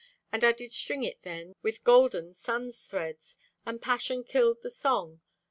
And I did string it then With golden sun's threads, And Passion killed the song.